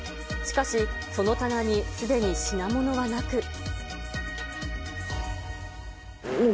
しかし、その棚にすでに品物はなく。